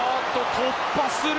突破する！